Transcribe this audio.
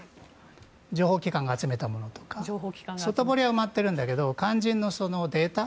情報機関が集めたものとか外堀は埋まっているんだけど肝心のデータ